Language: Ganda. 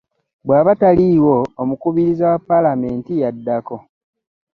Bw'aba taliiwo, omukubiriza wa Paalamenti yaddako